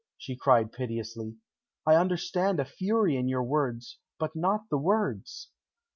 she cried piteously. "I understand a fury in your words, but not the words."